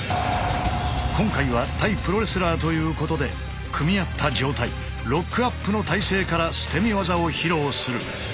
今回は対プロレスラーということで組み合った状態ロックアップの体勢から捨身技を披露する。